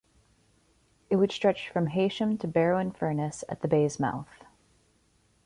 It would stretch from Heysham to Barrow-in-Furness, at the bay's mouth.